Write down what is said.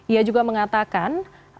ia juga mengatakan